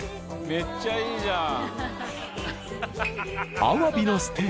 めっちゃいいじゃん。